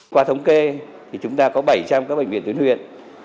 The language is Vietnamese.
qua thống kê thì chúng ta có bảy trăm linh các bệnh viện tuyến huyện